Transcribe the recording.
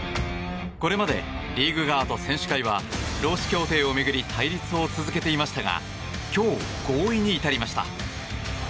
これまでリーグ側と選手会は労使協定を巡り対立を続けていましたが今日、合意に至りました。